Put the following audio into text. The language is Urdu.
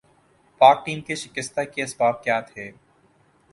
پاک ٹیم کے شکستہ کے اسباب کیا تھے